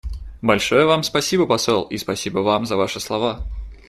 Большое Вам спасибо посол, и спасибо Вам за Ваши слова.